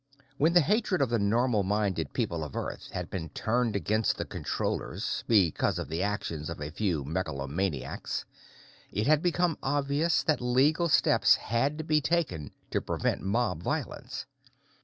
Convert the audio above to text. When the hatred of the normal minded people of Earth had been turned against the Controllers because of the actions of a few megalomaniacs, it had become obvious that legal steps had to be taken to prevent mob violence.